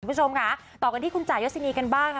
คุณผู้ชมค่ะต่อกันที่คุณจ่ายศินีกันบ้างค่ะ